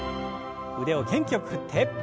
腕を元気よく振って。